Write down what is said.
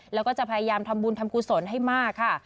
แล้วก็จะพยายามทำบุญทำกุศลให้มากค่ะ